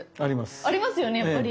ありますよねやっぱり。